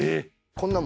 こんなん